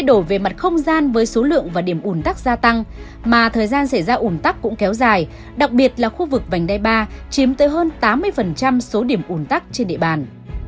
đặc biệt là khu vực vành đai ba chiếm tới hơn tám mươi số điểm ủn tắc trên địa bàn